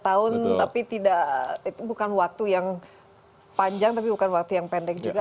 dua puluh tahun tapi tidak itu bukan waktu yang panjang tapi bukan waktu yang pendek juga